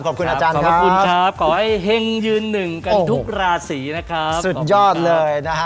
ขอบคุณอาจารย์ครับขอบคุณครับขอให้เฮงยืนหนึ่งกันทุกราศีนะครับสุดยอดเลยนะฮะ